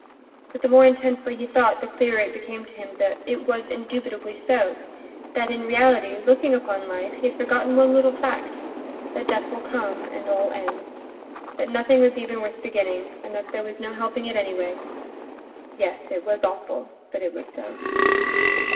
But the more intensely he thought, the clearer it became to him that it was indubitably so, that in reality, looking upon life, he had forgotten one little fact—that death will come, and all ends; that nothing was even worth beginning, and that there was no helping it anyway. Yes, it was awful, but it was so.